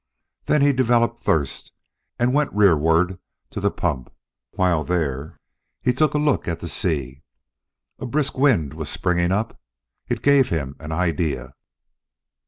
Then he developed thirst and went rearward to the pump. While there, he took a look at the sea. A brisk wind was springing up. It gave him an idea.